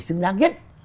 xứng đáng nhất